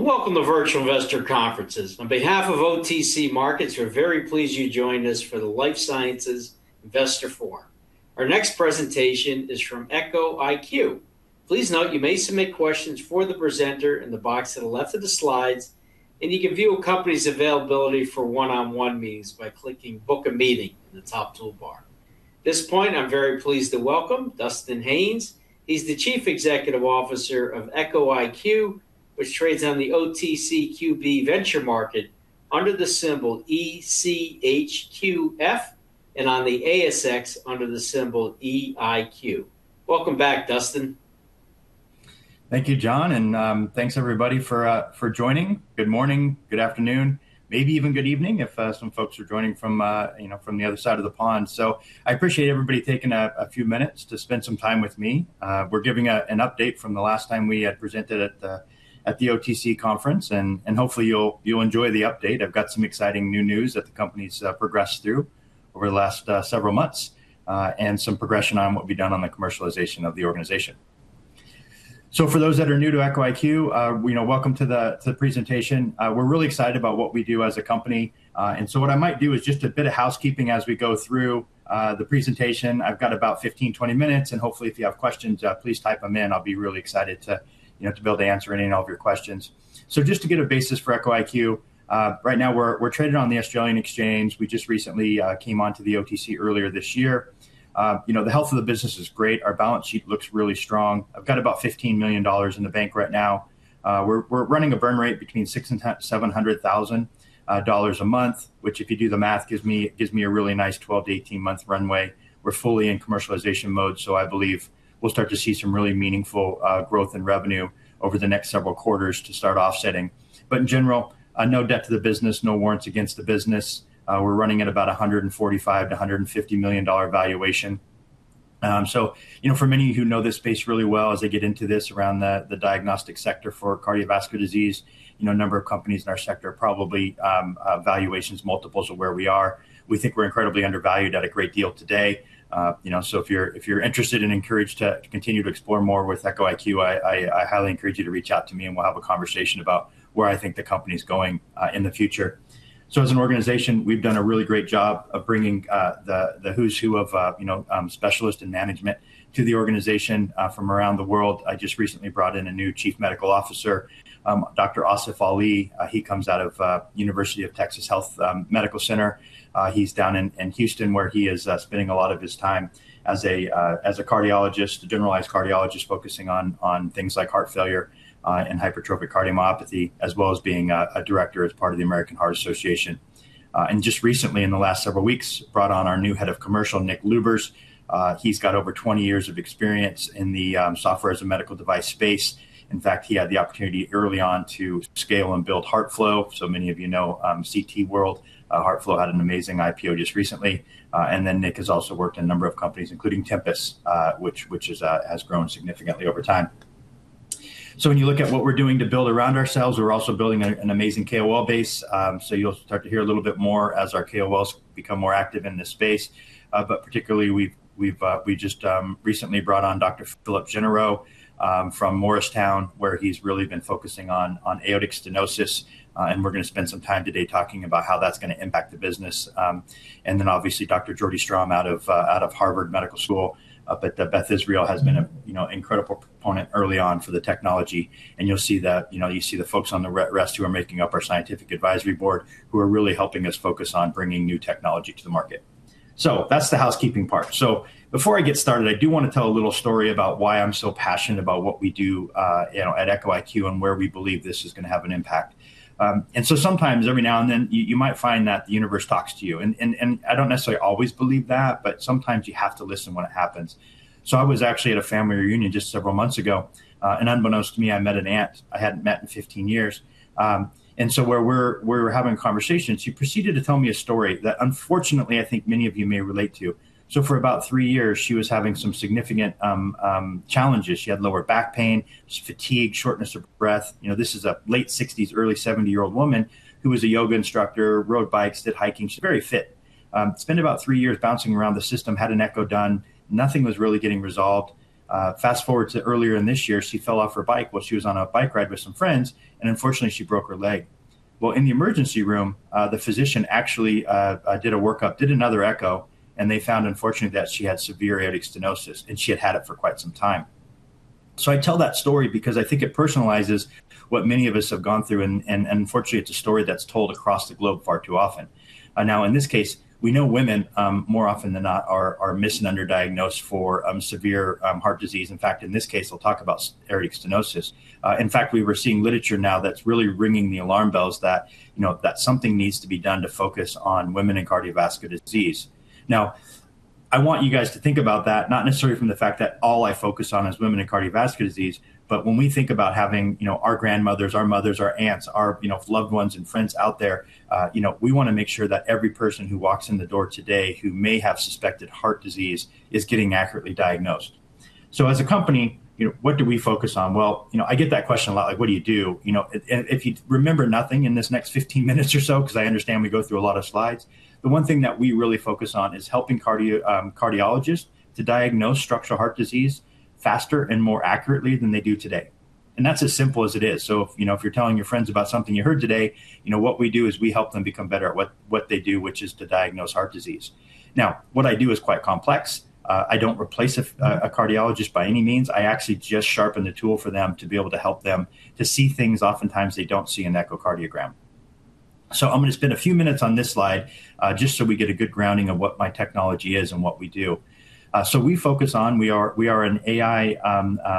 Hello, and welcome to Virtual Investor Conferences. On behalf of OTC Markets, we're very pleased you joined us for the Life Sciences Investor Forum. Our next presentation is from Echo IQ. Please note you may submit questions for the presenter in the box at the left of the slides, and you can view a company's availability for one-on-one meetings by clicking "Book a Meeting" in the top toolbar. At this point, I'm very pleased to welcome Dustin Haines. He's the Chief Executive Officer of Echo IQ, which trades on the OTCQB Venture Market under the symbol ECHQF and on the ASX under the symbol EIQ. Welcome back, Dustin. Thank you, John, and thanks everybody for joining. Good morning, good afternoon, maybe even good evening if some folks are joining from the other side of the pond. So I appreciate everybody taking a few minutes to spend some time with me. We're giving an update from the last time we had presented at the OTC conference, and hopefully you'll enjoy the update. I've got some exciting new news that the company's progressed through over the last several months and some progression on what we've done on the commercialization of the organization. So for those that are new to Echo IQ, welcome to the presentation. We're really excited about what we do as a company. And so what I might do is just a bit of housekeeping as we go through the presentation. I've got about 15, 20 minutes, and hopefully if you have questions, please type them in. I'll be really excited to be able to answer any and all of your questions. So just to get a basis for Echo IQ, right now we're traded on the Australian exchange. We just recently came onto the OTC earlier this year. The health of the business is great. Our balance sheet looks really strong. I've got about $15 million in the bank right now. We're running a burn rate between $600,000 to $700,000 a month, which if you do the math, gives me a really nice 12 months to 18 months runway. We're fully in commercialization mode, so I believe we'll start to see some really meaningful growth in revenue over the next several quarters to start offsetting. But in general, no debt to the business, no warrants against the business. We're running at about $145 million to $150 million valuation. For many of you who know this space really well, as they get into this around the diagnostic sector for cardiovascular disease, a number of companies in our sector are probably valuation multiples of where we are. We think we're incredibly undervalued at a great deal today. If you're interested and encouraged to continue to explore more with Echo IQ, I highly encourage you to reach out to me, and we'll have a conversation about where I think the company's going in the future. As an organization, we've done a really great job of bringing the who's who of specialists and management to the organization from around the world. I just recently brought in a new Chief Medical Officer, Dr. Asif Ali. He comes out of the University of Texas Health Science Center. He's down in Houston, where he is spending a lot of his time as a cardiologist, a generalized cardiologist focusing on things like heart failure and hypertrophic cardiomyopathy, as well as being a director as part of the American Heart Association, and just recently, in the last several weeks, brought on our new head of commercial, Nick Lubers. He's got over 20 years of experience in the software as a medical device space. In fact, he had the opportunity early on to scale and build HeartFlow, so many of you know CT workflow. HeartFlow had an amazing IPO just recently, and then Nick has also worked in a number of companies, including Tempus, which has grown significantly over time, so when you look at what we're doing to build around ourselves, we're also building an amazing KOL base. So you'll start to hear a little bit more as our KOLs become more active in this space. But particularly, we just recently brought on Dr. Philippe Généreux from Morristown, where he's really been focusing on aortic stenosis. And we're going to spend some time today talking about how that's going to impact the business. And then obviously, Dr. Jordan Strom out of Harvard Medical School up at Beth Israel has been an incredible component early on for the technology. And you'll see that the folks on the rest who are making up our scientific advisory board, who are really helping us focus on bringing new technology to the market. So that's the housekeeping part. So before I get started, I do want to tell a little story about why I'm so passionate about what we do at Echo IQ and where we believe this is going to have an impact. And so sometimes, every now and then, you might find that the universe talks to you. And I don't necessarily always believe that, but sometimes you have to listen when it happens. So I was actually at a family reunion just several months ago. And unbeknownst to me, I met an aunt I hadn't met in 15 years. And so where we were having conversations, she proceeded to tell me a story that, unfortunately, I think many of you may relate to. So for about three years, she was having some significant challenges. She had lower back pain, fatigue, shortness of breath. This is a late-60s, early-70-year-old woman who was a yoga instructor, rode bikes, did hiking. She's very fit. Spent about three years bouncing around the system, had an echo done. Nothing was really getting resolved. Fast forward to earlier in this year, she fell off her bike while she was on a bike ride with some friends, and unfortunately, she broke her leg, well, in the emergency room, the physician actually did a workup, did another echo, and they found, unfortunately, that she had severe aortic stenosis, and she had had it for quite some time, so I tell that story because I think it personalizes what many of us have gone through, and unfortunately, it's a story that's told across the globe far too often. Now, in this case, we know women more often than not are missed and underdiagnosed for severe heart disease. In fact, in this case, I'll talk about aortic stenosis. In fact, we were seeing literature now that's really ringing the alarm bells that something needs to be done to focus on women and cardiovascular disease. Now, I want you guys to think about that, not necessarily from the fact that all I focus on is women and cardiovascular disease, but when we think about having our grandmothers, our mothers, our aunts, our loved ones, and friends out there, we want to make sure that every person who walks in the door today who may have suspected heart disease is getting accurately diagnosed. So as a company, what do we focus on? Well, I get that question a lot, like, what do you do? And if you remember nothing in this next 15 minutes or so, because I understand we go through a lot of slides, the one thing that we really focus on is helping cardiologists to diagnose structural heart disease faster and more accurately than they do today. And that's as simple as it is. So if you're telling your friends about something you heard today, what we do is we help them become better at what they do, which is to diagnose heart disease. Now, what I do is quite complex. I don't replace a cardiologist by any means. I actually just sharpen the tool for them to be able to help them to see things oftentimes they don't see in an echocardiogram. So I'm going to spend a few minutes on this slide just so we get a good grounding of what my technology is and what we do. So we focus on. We are an AI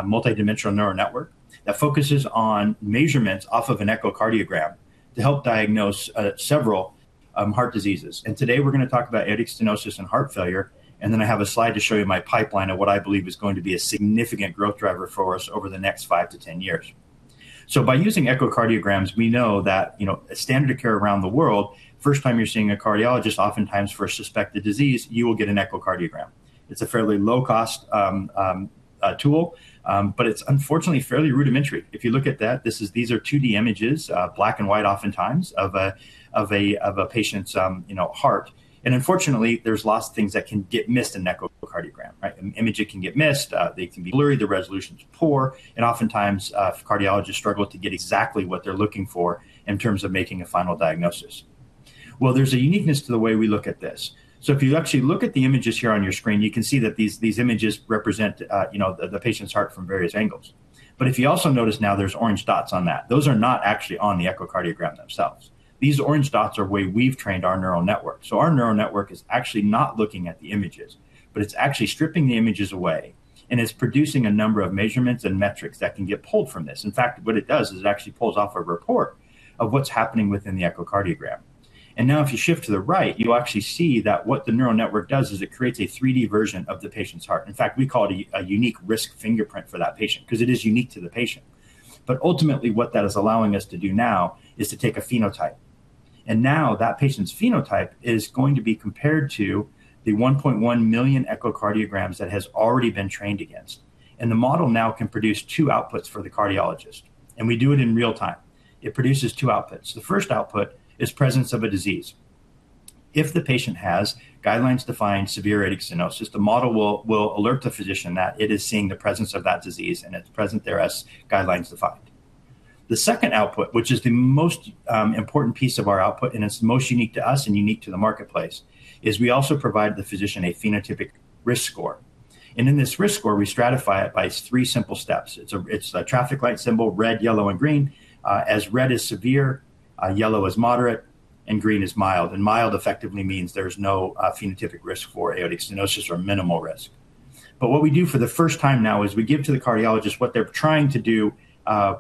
multidimensional neural network that focuses on measurements off of an echocardiogram to help diagnose several heart diseases. And today we're going to talk about aortic stenosis and heart failure. And then I have a slide to show you my pipeline of what I believe is going to be a significant growth driver for us over the next five to 10 years. So by using echocardiograms, we know that standard of care around the world. First time you're seeing a cardiologist, oftentimes for a suspected disease, you will get an echocardiogram. It's a fairly low-cost tool, but it's unfortunately fairly rudimentary. If you look at that, these are 2D images, black and white oftentimes, of a patient's heart. And unfortunately, there's lots of things that can get missed in an echocardiogram. An image can get missed. They can be blurry. The resolution is poor, and oftentimes, cardiologists struggle to get exactly what they're looking for in terms of making a final diagnosis, well, there's a uniqueness to the way we look at this, so if you actually look at the images here on your screen, you can see that these images represent the patient's heart from various angles, but if you also notice now, there's orange dots on that. Those are not actually on the echocardiogram themselves. These orange dots are where we've trained our neural network, so our neural network is actually not looking at the images, but it's actually stripping the images away, and it's producing a number of measurements and metrics that can get pulled from this. In fact, what it does is it actually pulls off a report of what's happening within the echocardiogram. And now if you shift to the right, you'll actually see that what the neural network does is it creates a 3D version of the patient's heart. In fact, we call it a unique risk fingerprint for that patient because it is unique to the patient. But ultimately, what that is allowing us to do now is to take a phenotype. And now that patient's phenotype is going to be compared to the 1.1 million echocardiograms that has already been trained against. And the model now can produce two outputs for the cardiologist. And we do it in real time. It produces two outputs. The first output is presence of a disease. If the patient has guidelines-defined severe aortic stenosis, the model will alert the physician that it is seeing the presence of that disease, and it's present there as guidelines-defined. The second output, which is the most important piece of our output, and it's most unique to us and unique to the marketplace, is we also provide the physician a phenotypic risk score, and in this risk score, we stratify it by three simple steps. It's a traffic light symbol, red, yellow, and green, as red is severe, yellow is moderate, and green is mild, and mild effectively means there is no phenotypic risk for aortic stenosis or minimal risk, but what we do for the first time now is we give to the cardiologist what they're trying to do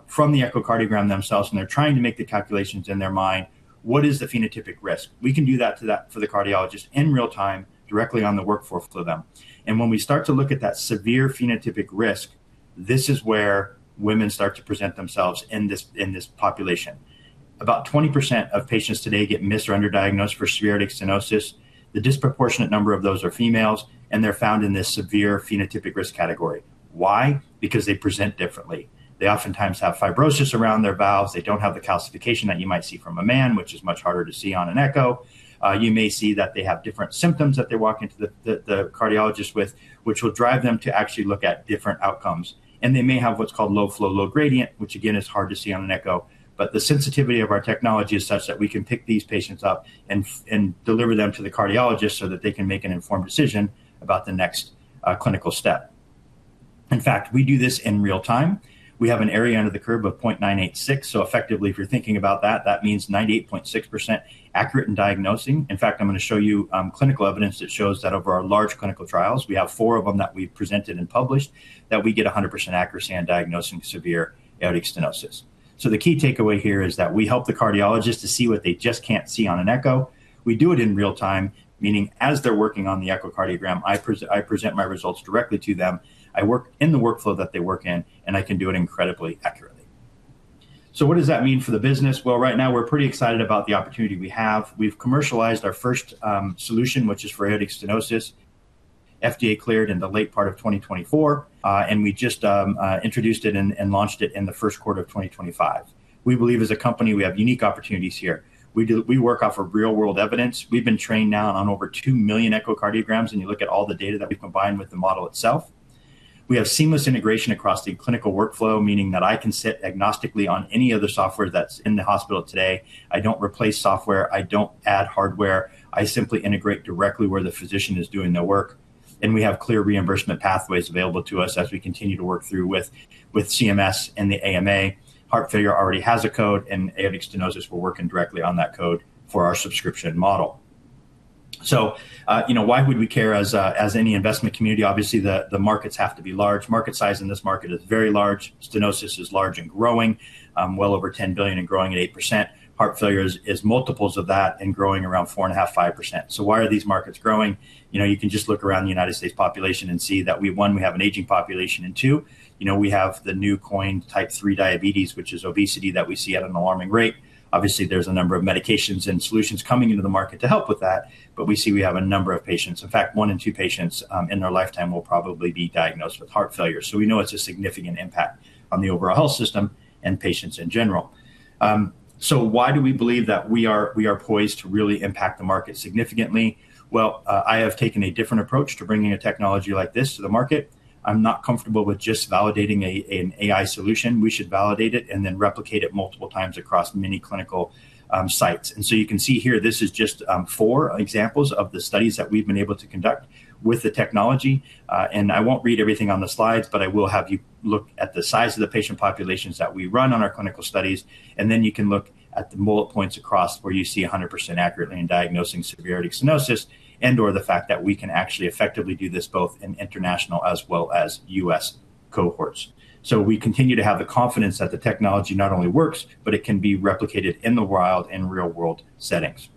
from the echocardiogram themselves, and they're trying to make the calculations in their mind. What is the phenotypic risk? We can do that for the cardiologist in real time, directly on the workflow for them. When we start to look at that severe phenotypic risk, this is where women start to present themselves in this population. About 20% of patients today get missed or underdiagnosed for severe aortic stenosis. The disproportionate number of those are females, and they're found in this severe phenotypic risk category. Why? Because they present differently. They oftentimes have fibrosis around their valves. They don't have the calcification that you might see from a man, which is much harder to see on an echo. You may see that they have different symptoms that they walk into the cardiologist with, which will drive them to actually look at different outcomes. They may have what's called low flow, low gradient, which again is hard to see on an echo. But the sensitivity of our technology is such that we can pick these patients up and deliver them to the cardiologist so that they can make an informed decision about the next clinical step. In fact, we do this in real time. We have an area under the curve of 0.986. So effectively, if you're thinking about that, that means 98.6% accurate in diagnosing. In fact, I'm going to show you clinical evidence that shows that over our large clinical trials, we have four of them that we've presented and published, that we get 100% accuracy in diagnosing severe aortic stenosis. So the key takeaway here is that we help the cardiologist to see what they just can't see on an echo. We do it in real time, meaning as they're working on the echocardiogram, I present my results directly to them. I work in the workflow that they work in, and I can do it incredibly accurately. So what does that mean for the business? Well, right now, we're pretty excited about the opportunity we have. We've commercialized our first solution, which is for aortic stenosis. FDA cleared in the late part of 2024, and we just introduced it and launched it in the first quarter of 2025. We believe as a company, we have unique opportunities here. We work off of real-world evidence. We've been trained now on over 2 million echocardiograms, and you look at all the data that we've combined with the model itself. We have seamless integration across the clinical workflow, meaning that I can sit agnostically on any other software that's in the hospital today. I don't replace software. I don't add hardware. I simply integrate directly where the physician is doing their work. We have clear reimbursement pathways available to us as we continue to work through with CMS and the AMA. Heart Failure already has a code, and Aortic Stenosis will work directly on that code for our subscription model. Why would we care in the investment community? Obviously, the markets have to be large. Market size in this market is very large. Stenosis is large and growing, well over $10 billion and growing at 8%. Heart Failure is multiples of that and growing around 4.5% to 5%. Why are these markets growing? You can just look around the United States population and see that, one, we have an aging population. Two, we have the newly coined type 3 diabetes, which is obesity that we see at an alarming rate. Obviously, there's a number of medications and solutions coming into the market to help with that, but we see we have a number of patients. In fact, one in two patients in their lifetime will probably be diagnosed with heart failure. So we know it's a significant impact on the overall health system and patients in general. So why do we believe that we are poised to really impact the market significantly? Well, I have taken a different approach to bringing a technology like this to the market. I'm not comfortable with just validating an AI solution. We should validate it and then replicate it multiple times across many clinical sites. And so you can see here, this is just four examples of the studies that we've been able to conduct with the technology. And I won't read everything on the slides, but I will have you look at the size of the patient populations that we run on our clinical studies. And then you can look at the bullet points across where you see 100% accurately in diagnosing severe aortic stenosis and/or the fact that we can actually effectively do this both in international as well as US cohorts. So we continue to have the confidence that the technology not only works, but it can be replicated in the wild in real-world settings.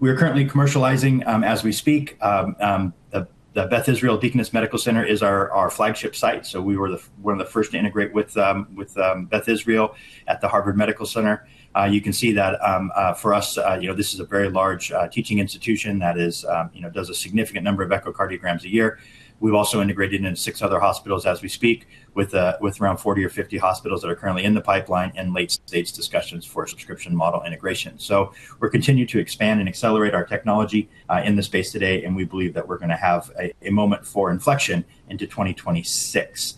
We are currently commercializing as we speak. The Beth Israel Deaconess Medical Center is our flagship site. So we were one of the first to integrate with Beth Israel at the Harvard Medical Center. You can see that for us, this is a very large teaching institution that does a significant number of echocardiograms a year. We've also integrated into six other hospitals as we speak with around 40 or 50 hospitals that are currently in the pipeline and late stage discussions for subscription model integration. So we're continuing to expand and accelerate our technology in this space today, and we believe that we're going to have a moment for inflection into 2026.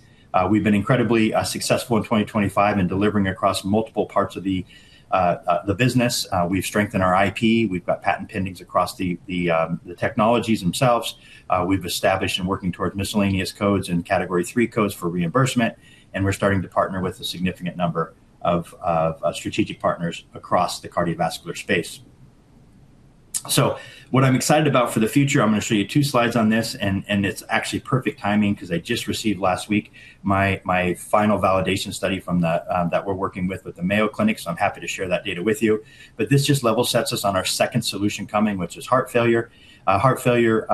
We've been incredibly successful in 2025 in delivering across multiple parts of the business. We've strengthened our IP. We've got patent pendings across the technologies themselves. We've established and working towards miscellaneous codes and category three codes for reimbursement. And we're starting to partner with a significant number of strategic partners across the cardiovascular space. So what I'm excited about for the future, I'm going to show you two slides on this. And it's actually perfect timing because I just received last week my final validation study that we're working with the Mayo Clinic. So I'm happy to share that data with you. But this just level sets us on our second solution coming, which is heart failure. Heart failure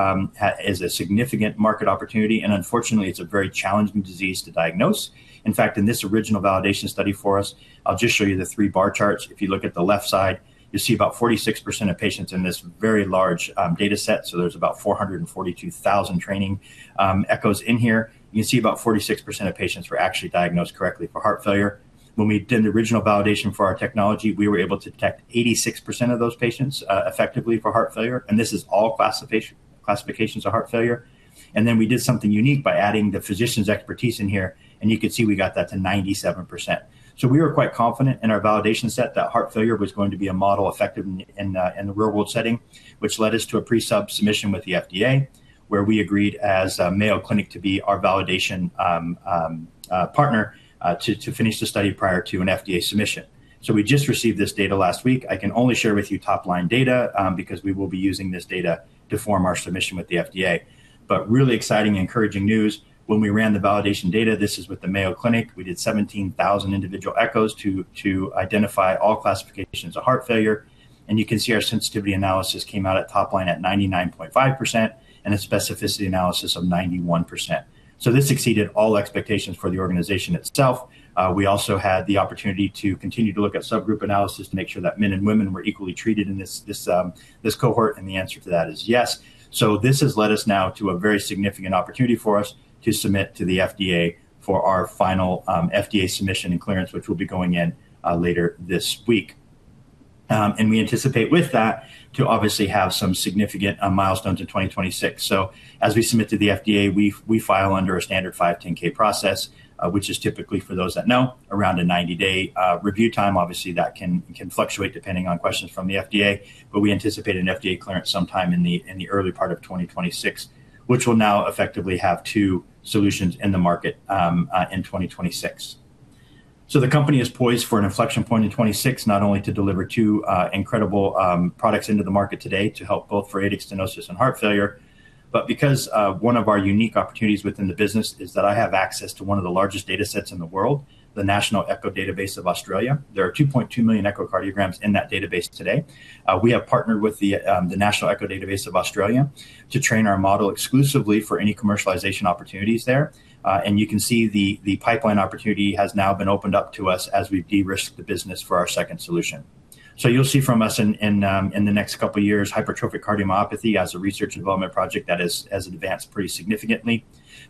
is a significant market opportunity. And unfortunately, it's a very challenging disease to diagnose. In fact, in this original validation study for us, I'll just show you the three bar charts. If you look at the left side, you see about 46% of patients in this very large data set. So there's about 442,000 training echoes in here. You can see about 46% of patients were actually diagnosed correctly for heart failure. When we did the original validation for our technology, we were able to detect 86% of those patients effectively for heart failure. And this is all classifications of heart failure. And then we did something unique by adding the physician's expertise in here. And you could see we got that to 97%. So we were quite confident in our validation set that heart failure was going to be a model effective in the real-world setting, which led us to a pre-sub submission with the FDA, where we agreed as Mayo Clinic to be our validation partner to finish the study prior to an FDA submission. So we just received this data last week. I can only share with you top-line data because we will be using this data to form our submission with the FDA. But really exciting and encouraging news. When we ran the validation data, this is with the Mayo Clinic. We did 17,000 individual echoes to identify all classifications of heart failure. You can see our sensitivity analysis came out at top-line at 99.5% and a specificity analysis of 91%. This exceeded all expectations for the organization itself. We also had the opportunity to continue to look at subgroup analysis to make sure that men and women were equally treated in this cohort. The answer to that is yes. This has led us now to a very significant opportunity for us to submit to the FDA for our final FDA submission and clearance, which will be going in later this week. We anticipate with that to obviously have some significant milestones in 2026. As we submit to the FDA, we file under a standard 510(k) process, which is typically, for those that know, around a 90-day review time. Obviously, that can fluctuate depending on questions from the FDA. But we anticipate an FDA clearance sometime in the early part of 2026, which will now effectively have two solutions in the market in 2026. So the company is poised for an inflection point in 2026, not only to deliver two incredible products into the market today to help both for aortic stenosis and heart failure, but because one of our unique opportunities within the business is that I have access to one of the largest data sets in the world, the National Echo Database of Australia. There are 2.2 million echocardiograms in that database today. We have partnered with the National Echo Database of Australia to train our model exclusively for any commercialization opportunities there. And you can see the pipeline opportunity has now been opened up to us as we de-risk the business for our second solution. So you'll see from us in the next couple of years, hypertrophic cardiomyopathy as a research and development project that has advanced pretty significantly.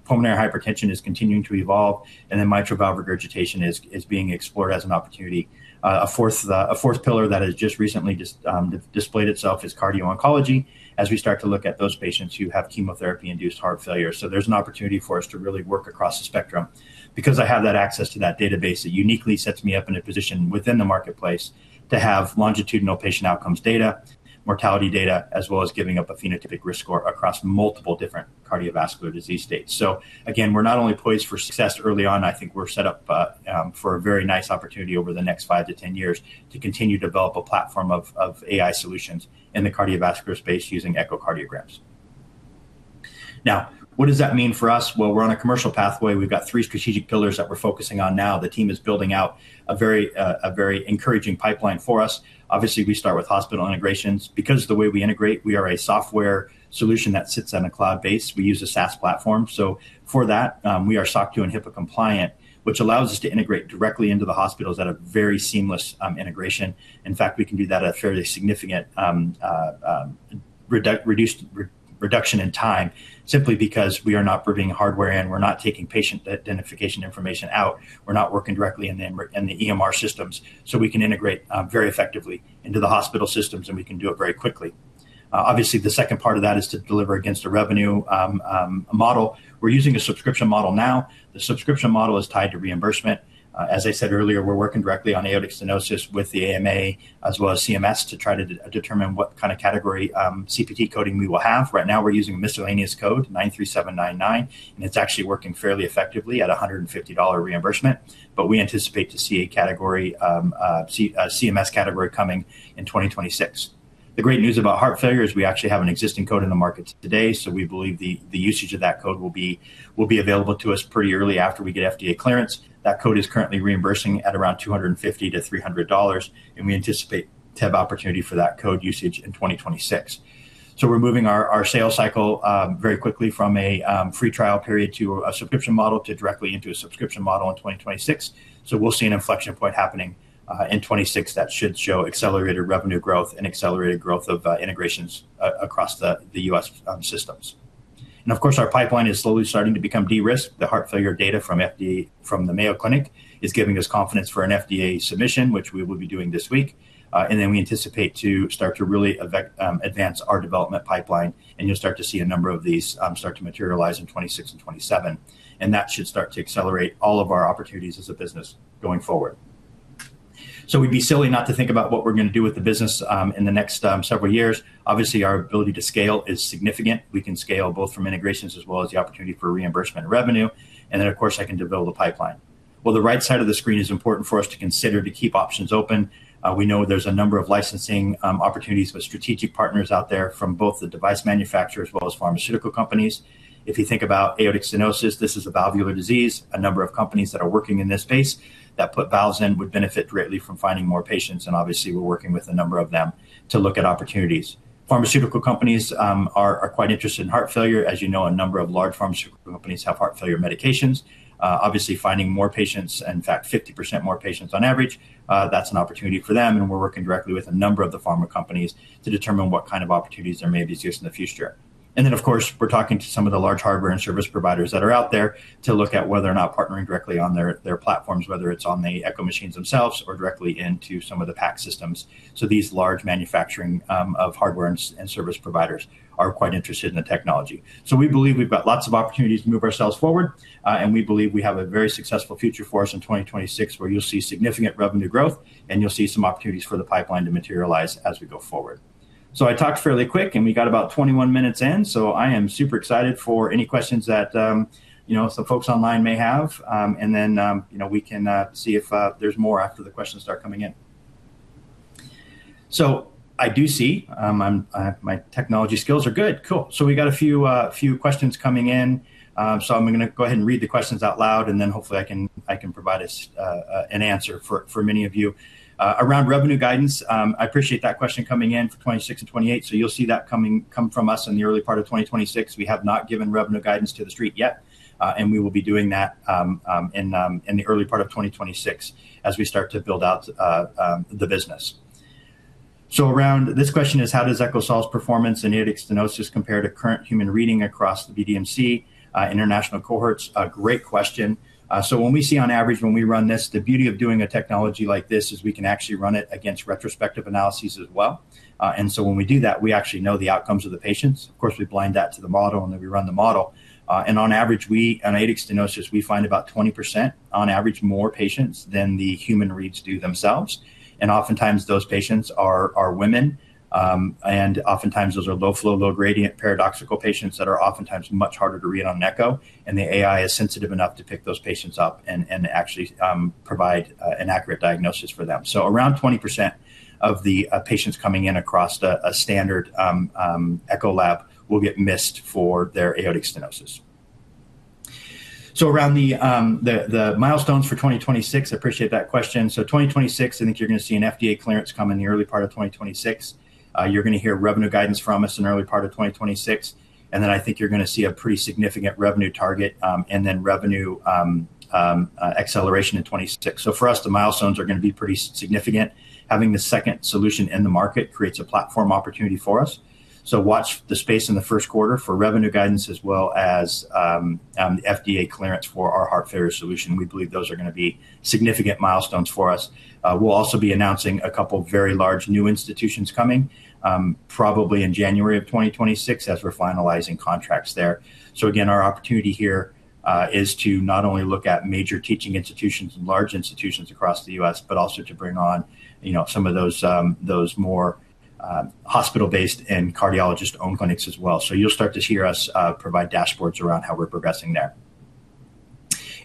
Pulmonary hypertension is continuing to evolve. And then mitral valve regurgitation is being explored as an opportunity. A fourth pillar that has just recently displayed itself is cardio-oncology as we start to look at those patients who have chemotherapy-induced heart failure. So there's an opportunity for us to really work across the spectrum because I have that access to that database. It uniquely sets me up in a position within the marketplace to have longitudinal patient outcomes data, mortality data, as well as giving up a phenotypic risk score across multiple different cardiovascular disease states. So again, we're not only poised for success early on. I think we're set up for a very nice opportunity over the next five to 10 years to continue to develop a platform of AI solutions in the cardiovascular space using echocardiograms. Now, what does that mean for us? Well, we're on a commercial pathway. We've got three strategic pillars that we're focusing on now. The team is building out a very encouraging pipeline for us. Obviously, we start with hospital integrations. Because of the way we integrate, we are a software solution that sits on a cloud base. We use a SaaS platform. So for that, we are SOC 2 and HIPAA compliant, which allows us to integrate directly into the hospitals at a very seamless integration. In fact, we can do that at a fairly significant reduction in time simply because we are not bringing hardware in. We're not taking patient identification information out. We're not working directly in the EMR systems. So we can integrate very effectively into the hospital systems, and we can do it very quickly. Obviously, the second part of that is to deliver against a revenue model. We're using a subscription model now. The subscription model is tied to reimbursement. As I said earlier, we're working directly on aortic stenosis with the AMA as well as CMS to try to determine what kind of category CPT coding we will have. Right now, we're using a miscellaneous code, 93799, and it's actually working fairly effectively at a $150 reimbursement. But we anticipate to see a CMS category coming in 2026. The great news about heart failure is we actually have an existing code in the market today. So we believe the usage of that code will be available to us pretty early after we get FDA clearance. That code is currently reimbursing at around $250 to $300. And we anticipate to have opportunity for that code usage in 2026. So we're moving our sales cycle very quickly from a free trial period to a subscription model to directly into a subscription model in 2026. So we'll see an inflection point happening in 2026 that should show accelerated revenue growth and accelerated growth of integrations across the U.S., systems. And of course, our pipeline is slowly starting to become de-risked. The heart failure data from the Mayo Clinic is giving us confidence for an FDA submission, which we will be doing this week. And then we anticipate to start to really advance our development pipeline. And you'll start to see a number of these start to materialize in 2026 and 2027. And that should start to accelerate all of our opportunities as a business going forward. So it would be silly not to think about what we're going to do with the business in the next several years. Obviously, our ability to scale is significant. We can scale both from integrations as well as the opportunity for reimbursement and revenue. And then, of course, I can develop the pipeline. Well, the right side of the screen is important for us to consider to keep options open. We know there's a number of licensing opportunities with strategic partners out there from both the device manufacturer as well as pharmaceutical companies. If you think about aortic stenosis, this is a valvular disease. A number of companies that are working in this space that put valves in would benefit greatly from finding more patients. And obviously, we're working with a number of them to look at opportunities. Pharmaceutical companies are quite interested in heart failure. As you know, a number of large pharmaceutical companies have heart failure medications. Obviously, finding more patients, in fact, 50% more patients on average, that's an opportunity for them, and we're working directly with a number of the pharma companies to determine what kind of opportunities there may be used in the future, and then, of course, we're talking to some of the large hardware and service providers that are out there to look at whether or not partnering directly on their platforms, whether it's on the Echo machines themselves or directly into some of the PAC systems, so these large manufacturing of hardware and service providers are quite interested in the technology, so we believe we've got lots of opportunities to move ourselves forward. We believe we have a very successful future for us in 2026, where you'll see significant revenue growth, and you'll see some opportunities for the pipeline to materialize as we go forward. I talked fairly quick, and we got about 21 minutes in. I am super excited for any questions that the folks online may have. We can see if there's more after the questions start coming in. I do see my technology skills are good. Cool. We got a few questions coming in. I'm going to go ahead and read the questions out loud. Hopefully, I can provide an answer for many of you around revenue guidance. I appreciate that question coming in for 2026 and 2028. You'll see that come from us in the early part of 2026. We have not given revenue guidance to the street yet. And we will be doing that in the early part of 2026 as we start to build out the business. So around this question is, how does EchoSolv's performance in aortic stenosis compare to current human reading across the BDMC international cohorts? Great question. So when we see on average, when we run this, the beauty of doing a technology like this is we can actually run it against retrospective analyses as well. And so when we do that, we actually know the outcomes of the patients. Of course, we blind that to the model and then we run the model. And on average, in aortic stenosis, we find about 20% on average more patients than the human reads do themselves. And oftentimes, those patients are women. And oftentimes, those are low flow, low gradient, paradoxical patients that are oftentimes much harder to read on an echo. And the AI is sensitive enough to pick those patients up and actually provide an accurate diagnosis for them. So around 20% of the patients coming in across a standard echo lab will get missed for their aortic stenosis. So around the milestones for 2026, I appreciate that question. So 2026, I think you're going to see an FDA clearance come in the early part of 2026. You're going to hear revenue guidance from us in the early part of 2026. And then I think you're going to see a pretty significant revenue target and then revenue acceleration in 2026. So for us, the milestones are going to be pretty significant. Having the second solution in the market creates a platform opportunity for us. So watch the space in the first quarter for revenue guidance as well as the FDA clearance for our heart failure solution. We believe those are going to be significant milestones for us. We'll also be announcing a couple of very large new institutions coming probably in January of 2026 as we're finalizing contracts there. So again, our opportunity here is to not only look at major teaching institutions and large institutions across the U.S., but also to bring on some of those more hospital-based and cardiologist-owned clinics as well. So you'll start to hear us provide dashboards around how we're progressing there.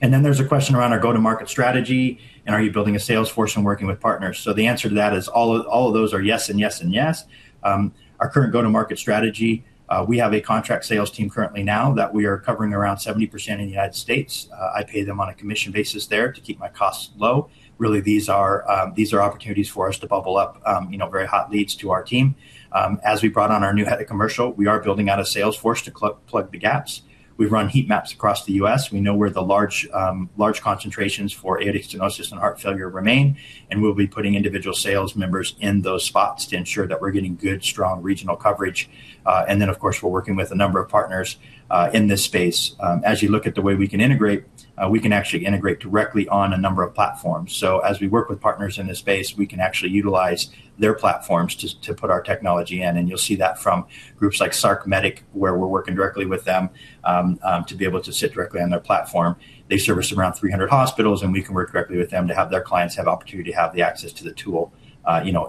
And then there's a question around our go-to-market strategy. And are you building a sales force and working with partners? So the answer to that is all of those are yes and yes and yes. Our current go-to-market strategy, we have a contract sales team currently now that we are covering around 70% in the United States. I pay them on a commission basis there to keep my costs low. Really, these are opportunities for us to bubble up very hot leads to our team. As we brought on our new Head of Commercial, we are building out a sales force to plug the gaps. We've run heat maps across the U.S., We know where the large concentrations for aortic stenosis and heart failure remain, and we'll be putting individual sales members in those spots to ensure that we're getting good, strong regional coverage, and then, of course, we're working with a number of partners in this space. As you look at the way we can integrate, we can actually integrate directly on a number of platforms. So as we work with partners in this space, we can actually utilize their platforms to put our technology in. And you'll see that from groups like SARC Medic where we're working directly with them to be able to sit directly on their platform. They service around 300 hospitals, and we can work directly with them to have their clients have opportunity to have the access to the tool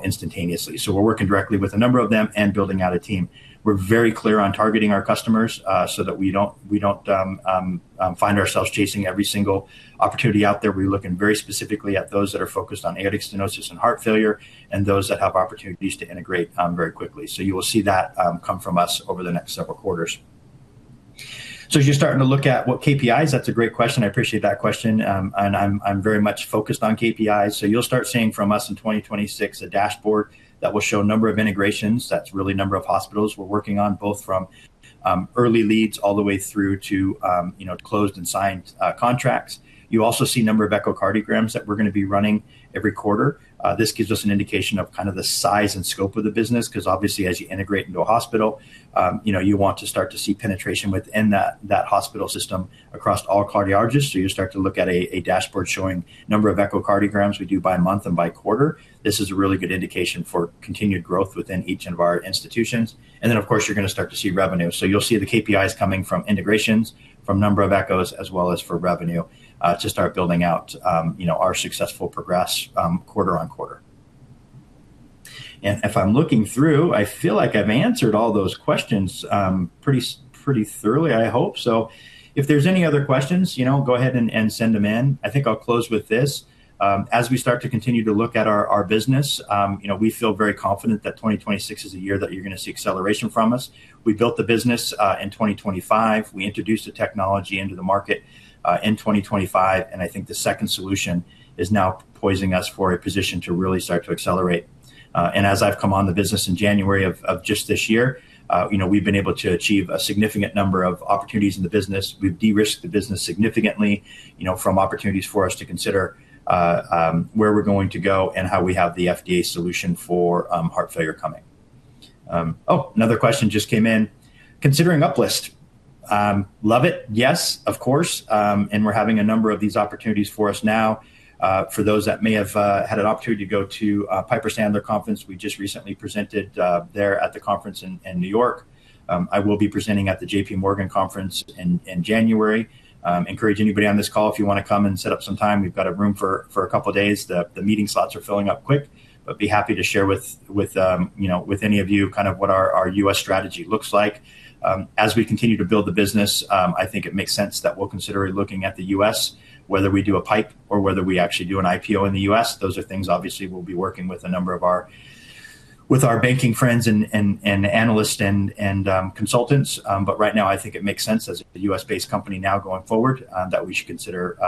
instantaneously. So we're working directly with a number of them and building out a team. We're very clear on targeting our customers so that we don't find ourselves chasing every single opportunity out there. We're looking very specifically at those that are focused on aortic stenosis and heart failure and those that have opportunities to integrate very quickly. So you will see that come from us over the next several quarters. As you're starting to look at what KPIs, that's a great question. I appreciate that question. I'm very much focused on KPIs. You'll start seeing from us in 2026 a dashboard that will show a number of integrations. That's really a number of hospitals we're working on, both from early leads all the way through to closed and signed contracts. You also see a number of echocardiograms that we're going to be running every quarter. This gives us an indication of kind of the size and scope of the business because, obviously, as you integrate into a hospital, you want to start to see penetration within that hospital system across all cardiologists. You start to look at a dashboard showing a number of echocardiograms we do by month and by quarter. This is a really good indication for continued growth within each of our institutions. Then, of course, you're going to start to see revenue. You'll see the KPIs coming from integrations, from a number of echoes, as well as for revenue to start building out our successful progress quarter on quarter. If I'm looking through, I feel like I've answered all those questions pretty thoroughly, I hope. If there's any other questions, go ahead and send them in. I think I'll close with this. As we start to continue to look at our business, we feel very confident that 2026 is a year that you're going to see acceleration from us. We built the business in 2025. We introduced a technology into the market in 2025. I think the second solution is now positioning us for a position to really start to accelerate. And as I've come on the business in January of just this year, we've been able to achieve a significant number of opportunities in the business. We've de-risked the business significantly from opportunities for us to consider where we're going to go and how we have the FDA solution for heart failure coming. Oh, another question just came in. Considering Uplift. Love it. Yes, of course. And we're having a number of these opportunities for us now. For those that may have had an opportunity to go to Piper Sandler Conference, we just recently presented there at the conference in New York. I will be presenting at the JP Morgan Conference in January. Encourage anybody on this call, if you want to come and set up some time, we've got a room for a couple of days. The meeting slots are filling up quick. But be happy to share with any of you kind of what our U.S., strategy looks like. As we continue to build the business, I think it makes sense that we'll consider looking at the U.S., whether we do a PIPE or whether we actually do an IPO in the U.S., Those are things, obviously, we'll be working with a number of our banking friends and analysts and consultants. But right now, I think it makes sense as a U.S., based company now going forward that we should consider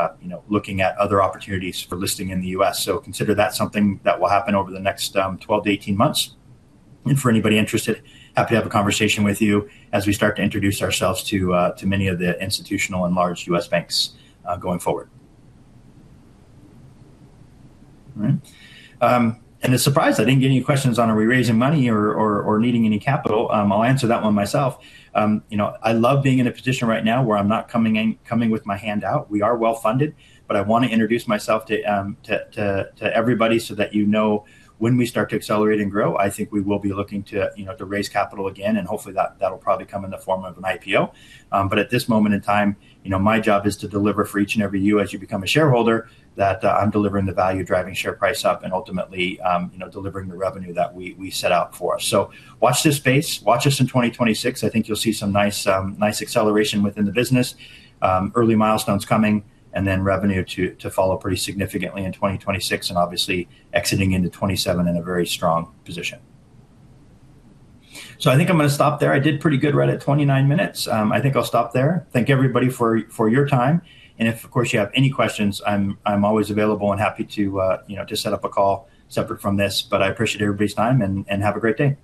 looking at other opportunities for listing in the U.S., So consider that something that will happen over the next 12 months to 18 months. And for anybody interested, happy to have a conversation with you as we start to introduce ourselves to many of the institutional and large U.S., banks going forward. All right. And it's a surprise. I didn't get any questions on, are we raising money or needing any capital. I'll answer that one myself. I love being in a position right now where I'm not coming with my hand out. We are well-funded. But I want to introduce myself to everybody so that you know when we start to accelerate and grow, I think we will be looking to raise capital again. And hopefully, that'll probably come in the form of an IPO. But at this moment in time, my job is to deliver for each and every one who becomes a shareholder that I'm delivering the value, driving share price up, and ultimately delivering the revenue that we set out for. So watch this space. Watch us in 2026. I think you'll see some nice acceleration within the business, early milestones coming, and then revenue to follow pretty significantly in 2026 and obviously exiting into 2027 in a very strong position, so I think I'm going to stop there. I did pretty good, right at 29 minutes. I think I'll stop there. Thank everybody for your time, and if, of course, you have any questions, I'm always available and happy to set up a call separate from this, but I appreciate everybody's time and have a great day.